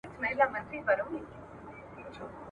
ډېر ناوخته به دوی پوه سوې چي څه چل دی ..